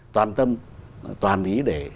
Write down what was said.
toàn tâm toàn ý để